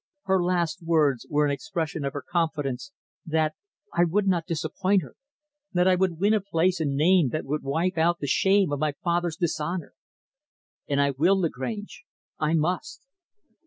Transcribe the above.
Her last words were an expression of her confidence that I would not disappoint her that I would win a place and name that would wipe out the shame of my father's dishonor. And I will, Lagrange, I must.